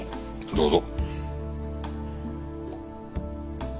どうぞ。